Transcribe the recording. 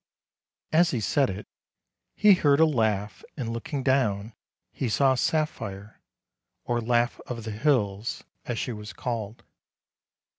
As he said it, he heard a laugh, and looking down he saw Sapphire, or Laugh of the Hills, as she was called.